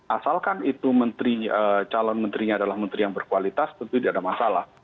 asalkan itu menteri calon menterinya adalah menteri yang berkualitas tentu tidak ada masalah